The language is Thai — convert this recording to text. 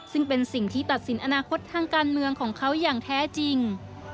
ซึ่งเป็นสิ่งที่ตัดสินอนาคตทางการเมืองของเขาอย่างแท้จริง